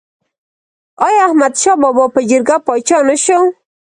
آیا احمد شاه بابا په جرګه پاچا نه شو؟